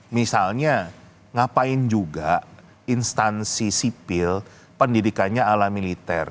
misalnya ngapain juga instansi sipil pendidikannya ala militer